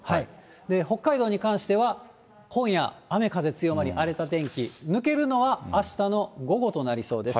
北海道に関しては、今夜、雨風強まり、荒れた天気、抜けるのはあしたの午後となりそうです。